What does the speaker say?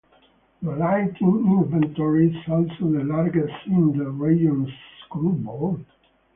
The lighting inventory is also the largest in the region's school board.